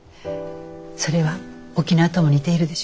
それは沖縄とも似ているでしょ。